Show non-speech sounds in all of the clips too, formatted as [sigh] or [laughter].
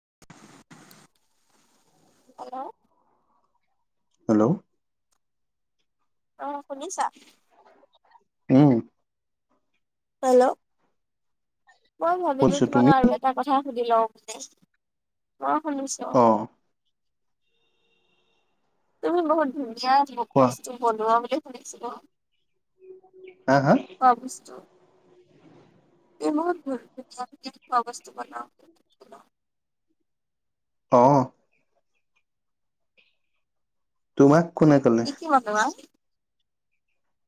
[inaudible] Hello, hello, অহ, শুনিছা? উম হেল্ল'। মই ভাবিলোঁ শুনিছো তোমাৰ তুমি আৰু এটা কথা সুধি লওঁ মানে। মই শুনিছোঁ। অ তুমি বহুত ধুনীয়া কোৱা বস্তু বনোৱা বুলি শুনিছিলোঁ। হা হা খোৱা বস্তু। এই বহুত ধুনীয়া ধুনীয়া খোৱা বস্তু বনোৱা বোলে শুনিলোঁ। অ। তোমাক কোনে ক'লে কি কি বনোৱা?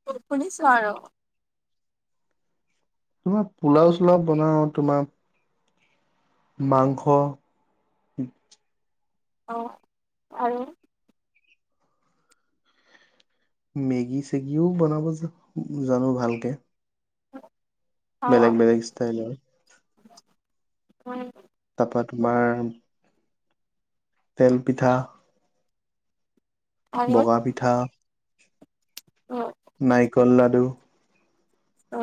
মই শুনিছোঁ আৰু। তোমাৰ পোলাওঁ চোলাওঁ বনাওঁ তোমাৰ। মাংস। অঁ আৰু? মেগী চেগিও বনাব জানো ভালকে। অ বেলেগ বেলেগ ইষ্টাইলৰ। উ বা তোমাৰ তেল পিঠা আৰু বগা পিঠা অ। নাইকল লাডু অ।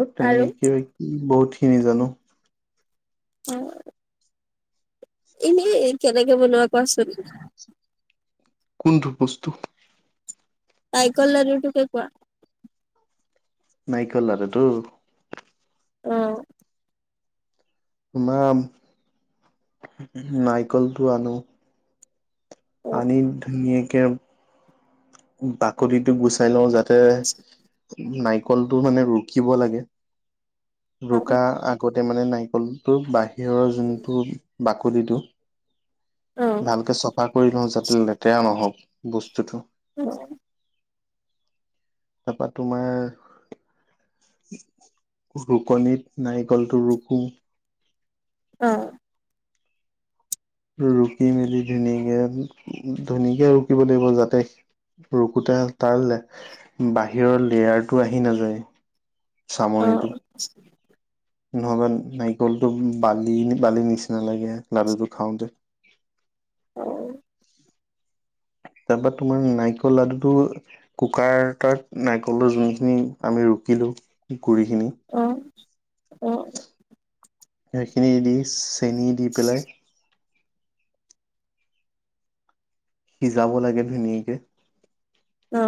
আৰু তেনেকে কিবা বহুতখিনি জানো। উ। এনেই কেনেকে বনোৱা কোৱাচোন? কোনটো বস্তু? নাইকলৰ লাডুটোকে কোৱা। নাৰিকলৰ লাডুটো? অ। তোমাৰ নাৰিকলটো আনো অ আনি ধুনীয়াকে বাকলিটো গুচাই লওঁ যাত [unintelligible] নাৰিকলটো মানে ৰুকিব লাগে। অ ৰুকা আগতে মানে নাৰি লটোৰ বাহিৰৰ যোনটো বাকলিটো অ অ ভালকে চফা কৰি লওঁ, যাতে লেতেৰা নহওক বস্তুটো। অ। তাৰপা তোমাৰ ৰুকনিত নাৰিকলটো ৰুকো। অ। ৰুকি মেলি ধুনীয়াকে ধুনীয়াকে ৰুকিব লাগিব যাতে ৰকোতে তাৰ বাহিৰৰ লেয়াৰটো আহি নাযায়। অ চামনিটো। নহবা নাৰিকলটো বালি বালি নিচিনা লাগে লাডুটো খাওতে। উ। [inaudible] তাৰ পিছত তোমাৰ নাৰিকল লাডুটো কুকাৰ এটাত নাৰিকলৰ যোনখিনি আমি ৰুকিলো উ অহ, অহ। সেইখিনি দি চেনি দি পেলাই সিজাব লাগে ধুনীয়াকে। অ।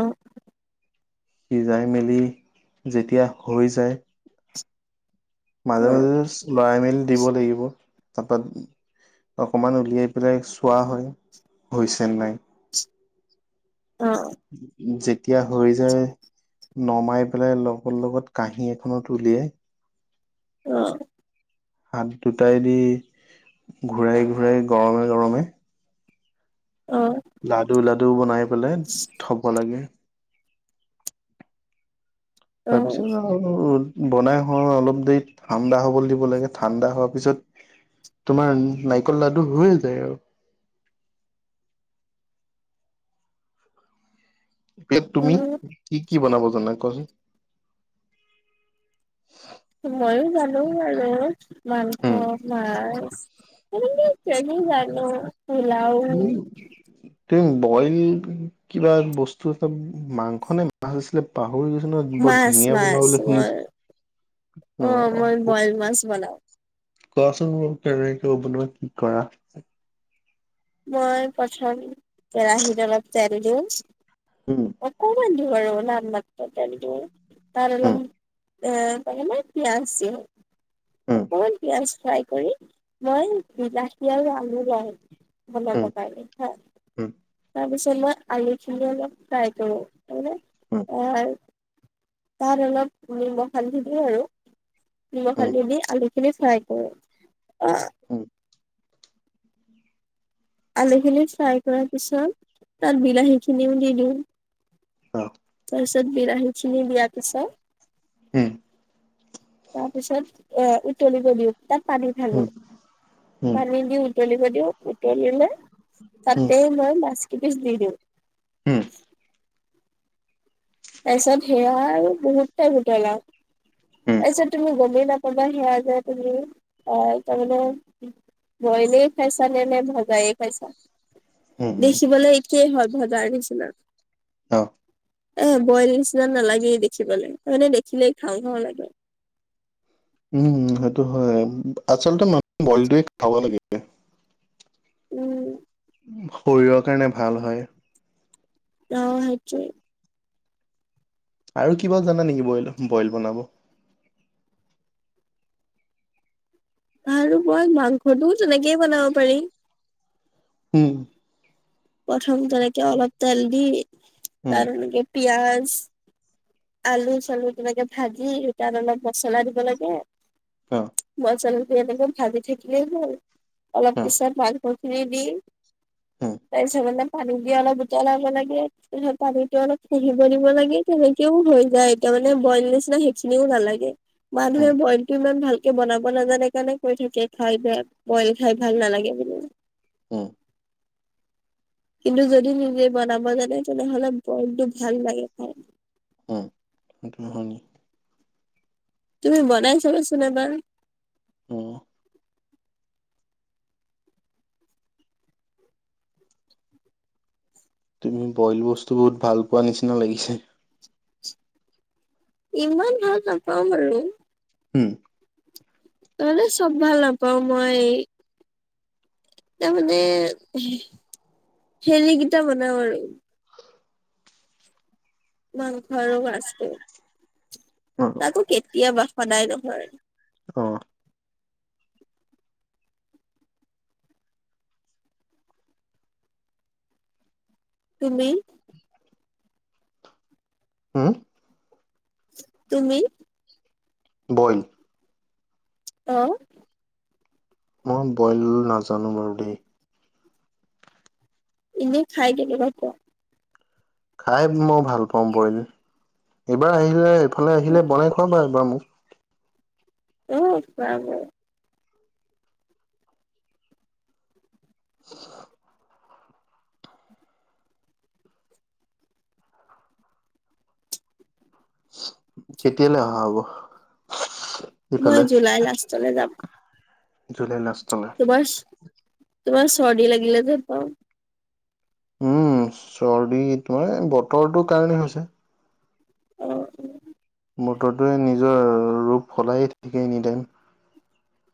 সিজাই মেলি যেতিয়া হৈ যায় মাজে মাজে লৰাই মেলি দিব লাগিব তাৰপৰা অকমান উলিয়াই পেলাই চোৱা হয় হৈছে নাই অ অ যেতিয়া হৈ যায় নমাই পেলাই লগত লগত কাঁহী এখনত উলিয়াই অ হাত দুটাই দি ঘূৰাই ঘূৰাই গৰমে গৰমে লাডু লাডু বনাই পেলাই থব লাগে। তাৰপিছত আৰু বনাই হোৱা অলপ দেৰি ঠাণ্ডা হ'ব দিব লাগে ঠাণ্ডা হোৱাৰ পিছত তোমাৰ নাৰিকল লাডু হৈয়ে যায় আৰু পেট তুমি কি কি বনাব জানা কোৱাচোন মইয়ো জানো আৰু উম মাংস মাছ ত চেনি জানো পোলও তুমি তুমি বইল কিবা বস্তু এটা মাংসনে মাছ আছিলে পাম গৈছে নই বৰ মাছ ধুনীয়া বনোৱা মাছ বুলা শুনিছো মই অ মই অ। বইল মাছ বনাও কোৱাচোন মোক কেনেকে বনোৱা কি কৰা। মই প্ৰথম কেৰাহীত অলপ তেল দিওঁ উম অকমান। [unintelligible] এ [unintelligible] উম পিয়াজ দিও উম অকমান পিয়াজ ফ্ৰাই কৰি মই বিলাহী আৰু আলু ল বনাব উম কাৰণে হয় তাৰপিছত মই আলুখিনি অলপ ফ্ৰাই কৰো। উম আহ তাত অলপ নিমখ হালধি দিও আৰু নিমখ উম উম হালধি দি আলুখিনি ফ্ৰাই কৰো আহ। উম আলুখিনি ফ্ৰাই কৰাৰ পিছত তাত বিলাহীখিনিও দি দিওঁ। অ তাৰপাছত বিলাহি খিনি দিয়া পিছত উম তাৰপিছত এ উতলিব দিও। তাত পানী উম ধালো উম উম পানী দিও উতলিব দিওঁ টেল দি লৈ তাতে মই মাছ কেইপিচ দি দিও উম তাৰপিছত সেয়া আৰু বহুত টাইম উতলাও উম তাৰপিছত তুমি গমেই নাপাবা সেয়া যে তুমি আহ তাৰমানে বইলে খাইছা নে নে ভজায়ে খাইচা উম দেখিবলৈ একেই হয় ভজাৰ নিচিনা অ এ বইল নিচিনা নালাগেই দেখিবালে মানে দেখিলেই খাওঁ খাওঁ লাগে উম সেইটো হয় আচলতে মান বলটোৱে খাব লাগিব উম শৰীৰৰ কাৰণে ভাল হয় অ সেইটোয়। আৰু কিবা জানা নেকি বইল বইল বনাব আৰু মই মাংসটোও তেনেকেই বনাব পাৰি হম প্ৰথম তেনেকে অলপ তেল দি উম, তাৰ মনেকে পিয়াজ আলু চালু কিবাকে ভাজি সেই তাত অলপ মছলা দিব লাগে অ', মচলাটো এনেকে ভাজি থাকিলেই হল অলপ অ', পিছত খু খিনি দি উম, তাৰপিছত অলপ পানী দি অলপ জতলাব লাগে পানীটো অলপ [unintelligible] দিব লাগে কিও হৈ যায় এতিয়া মানে বইল নিচিনা সেইখিনিও নালাগে উম, মানুহে বইল টো ইমান ভাল বনাব নাজানে কাৰণে কৈ থাকে খাই বেয়া বইল খাই ভাল নালাগে বুলি উম। কিন্তু যদি নিজে বনাব জানে, তেনেহ'লে বইলটো ভাল লাগে খাই। উম, সেটো হয়নি। তুমি বনাই চাবাচোন এবাৰ। উম। তুমি বইল বস্তু বহুত ভাল পোৱা নিচিনা লাগিছে। ইমান ভাল নাপাওঁ বাৰু। উম। নহলে চব ভাল নাপাওঁ মই। তাৰমানে হেলিকিটা বনাওঁ আৰু। মাংস আৰু মাছটো। অ', তাকো কেতিয়াবা, সদায় নহয়। অ'। তুমি? হুম? তুমি? বইল। অ'। মই বইল নাজানো বাৰু দেই। এনে খাই কেনেকুৱা পোৱা? খাই মই ভাল পাওঁ বইল। এইবাৰ আহিলে এইফালে আহিলে বনাই খোৱাবা একবাৰ মোক। [inaudible] উম, খোৱাম। উ কেতিয়ালৈ অহা হ'ব? মই ইফালে জুলাই লাষ্টলৈ যাম। জুলাই লাষ্ট তোমাৰ চ- তোমাৰ চৰ্দি লাগিলে যেন পাওঁ। উম, চৰ্দি তোমাৰ বতৰটোৰ কাৰণে হৈছে। অ'। বতৰটোৱে নিজৰ ৰূপ সলায়ে থাকে এনি টাইম।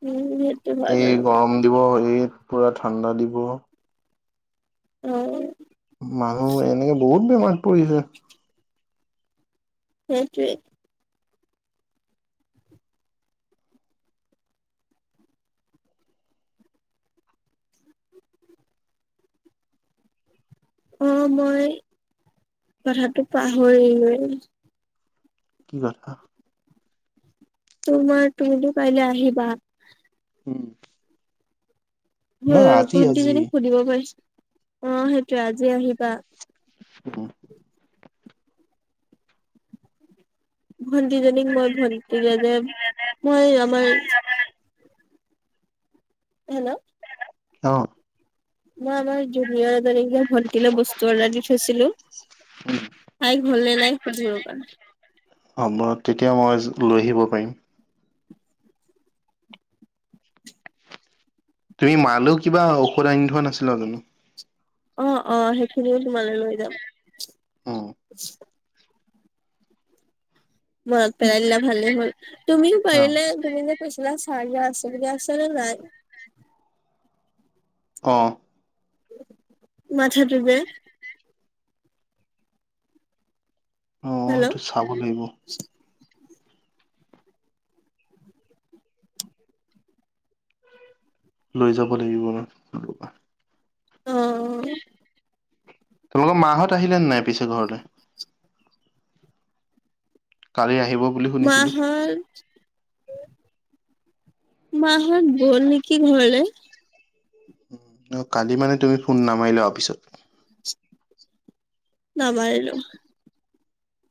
উম সেইটো হয় এই বাৰু গৰম দিব, এই পুৰা ঠাণ্ডা দিব। অ'। মানুহ এনেকে বহুত বেমাৰ পৰিছে। সেইটোৱে। অ' মই কথাটো পাহৰিলোৱে। কিবা কথা? তোমাৰ তুমিতো কাইলৈ আহিবা। উম। নহয় মোৰ আজি আজি, ভন্টিজনীক সুধিব পাৰিছ- অ' সেইটোৱে আজি আহিবা। অ'। ভণ্টিজনীক মই ভণ্টীলে যে মই আমাৰ হেল্ল'? অ'। মই আমাৰ জুনিয়ৰ এজনীক যে ভণ্টিলে বস্তু অৰ্ডাৰ দি থৈছিলোঁ। উম। তাইৰ হ'ল নে নাই, সোধো ৰবা। অ' মই- তেতিয়া মই লৈ আহিব পাৰিম। তুমি মালৈও কিবা ঔষধ আনি থোৱা নাছিলা জানো? অ' - অ' সেইখিনিও তোমালৈ লৈ যাম। উম, মনত পেলাই দিলা ভালেই হ'ল। তুমিও অ', পাৰিলে তুমি যে কৈছিলা চাৰিয়া আছে বুলি, আছে নে নাই? অ'। মথাতো অঁ হেল্ল' সেইটো চাব লাগিব। লৈ যাব লাগিব ম কোনা অঁ তোমালোকৰ মাহঁত আহিলে নাই পিছে ঘৰলৈ কালি আহিব বুলি মা শুনিছিলোঁ। হত মাহত গল নেকি ঘৰলে অঁ কালি মানে তুমি ফোন নামাৰিলা আৰু পিছত নামাৰিলো।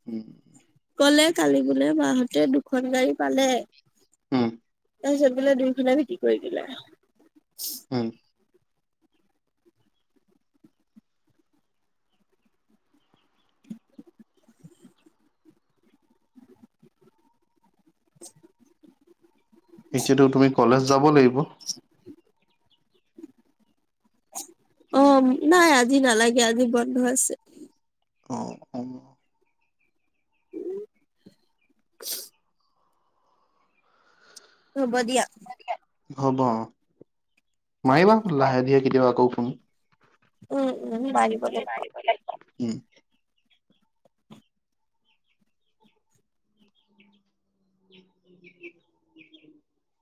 উম। কলে কালি বোলে মাহতে দুখন গাড়ী পালে উম তাৰপিছত বোলে দুই খনে বিক্ৰী কৰি দিলে উম [inaudible] এতিয়াতো তুমি কলেজ যাব লাগিব অঁ নাই আজি নালাগে আজি বন্ধ আছে। অঁ অঁ। উম। অঁ হব দিয়া হ'ব অ', মাৰিবা লাহে ধীয়ে কেতিয়াবা আকৌ ফোন উম উম মাৰিব লাগিব - উম। [inaudible]